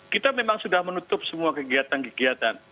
kita memang sudah menutup semua kegiatan kegiatan